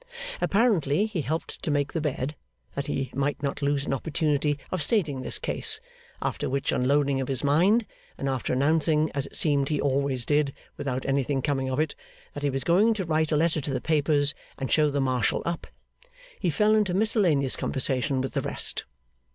Apparently, he helped to make the bed, that he might not lose an opportunity of stating this case; after which unloading of his mind, and after announcing (as it seemed he always did, without anything coming of it) that he was going to write a letter to the papers and show the marshal up, he fell into miscellaneous conversation with the rest.